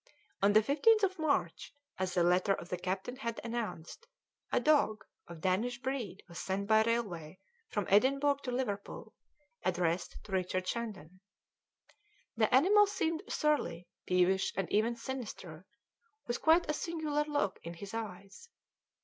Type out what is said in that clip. On the 15th of March, as the letter of the captain had announced, a dog of Danish breed was sent by railway from Edinburgh to Liverpool, addressed to Richard Shandon. The animal seemed surly, peevish, and even sinister, with quite a singular look in his eyes.